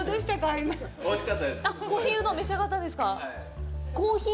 「コーヒーうどん」召し上がったんですか？